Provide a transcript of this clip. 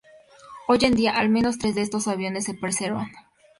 Hoy en día, al menos tres de estos aviones se preservan.